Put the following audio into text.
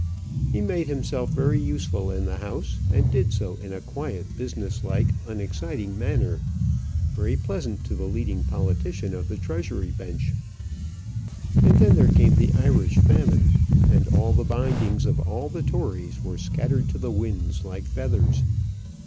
He made himself very useful in the House, and did so in a quiet, business like, unexciting manner, very pleasant to the leading politician of the Treasury bench. And then there came the Irish famine, and all the bindings of all the Tories were scattered to the winds like feathers.